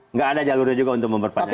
nggak ada jalurnya juga untuk memperpanjang